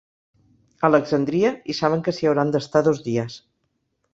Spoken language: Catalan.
Alexandria i saben que s'hi hauran d'estar dos dies.